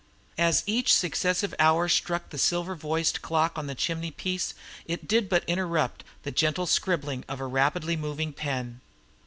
As each successive hour struck on the silver voiced clock on the chimney piece it did but interrupt the gentle scribbling of a rapidly moving pen.